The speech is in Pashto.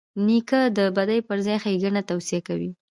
نیکه د بدۍ پر ځای ښېګڼه توصیه کوي.